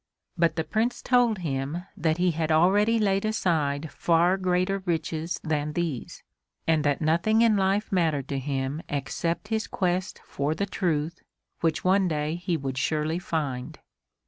But the Prince told him that he had already laid aside far greater riches than these, and that nothing in life mattered to him except his quest for the truth, which one day he would surely find.